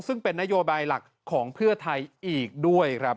ซึ่งเป็นนโยบายหลักของเพื่อไทยอีกด้วยครับ